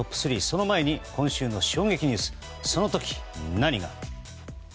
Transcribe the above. その前に、今週の衝撃ニュースその時、何が？